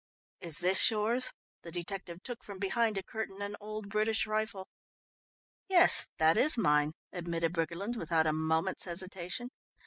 "Is this yours?" The detective took from behind a curtain an old British rifle. "Yes, that is mine," admitted Briggerland without a moment's hesitation.